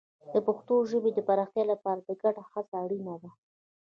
د پښتو ژبې د پراختیا لپاره ګډه هڅه اړینه ده.